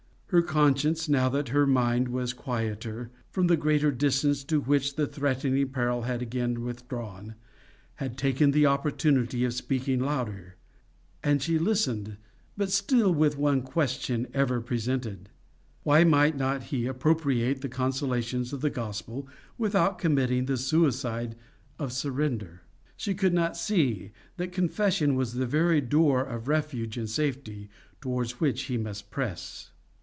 Her conscience, now that her mind was quieter, from the greater distance to which the threatening peril had again withdrawn, had taken the opportunity of speaking louder. And she listened but still with one question ever presented: Why might he not appropriate the consolations of the gospel without committing the suicide of surrender? She could not see that confession was the very door of refuge and safety, towards which he must press.